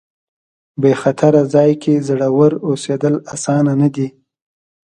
په بې خطره ځای کې زړور اوسېدل اسانه دي.